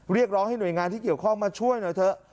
เรียกร้องให้หน่วยงานที่เกี่ยวข้องมาช่วยหน่อยเถอะ